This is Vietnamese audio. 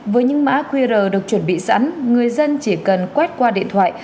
với những mã qr được chuẩn bị sẵn người dân chỉ cần quét qua điện thoại